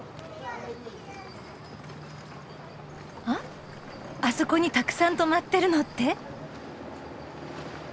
ああそこにたくさん泊まってるのって。